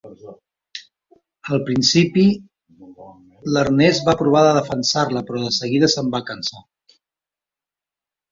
Al principi l'Ernest va provar de defensar-la, però de seguida se'n va cansar.